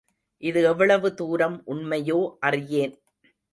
இது எவ்வளவு தூரம் உண்மையோ அறியேன்.